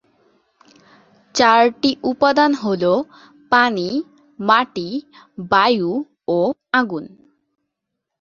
চারটি উপাদান হল পানি, মাটি, বায়ু ও আগুন।